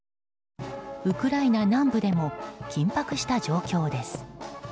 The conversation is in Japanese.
ウクライナ南部でも緊迫した状況です。